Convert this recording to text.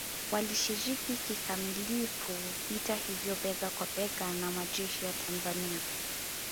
Walishiriki kikamilifu vita hivyo bega kwa bega na majeshi ya Tanzania